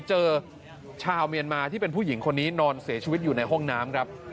เจอชาวเมียนมาที่เป็นผู้หญิงคนนี้นอนเสียชีวิตอยู่ในห้องน้ำครับ